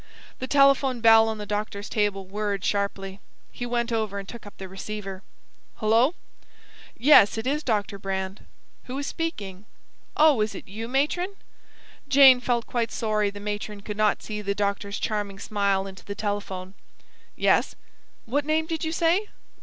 The telephone bell on the doctor's table whirred sharply. He went over and took up the receiver. "Hullo! ... Yes, it is Dr. Brand.... Who is speaking? ... Oh, is it you, Matron?" Jane felt quite sorry the matron could not see the doctor's charming smile into the telephone. "Yes? What name did you say?